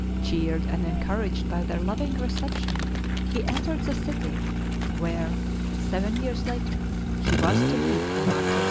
Cheered and encouraged by their loving reception, he entered the city, where, seven years later, he was to meet a martyr's death.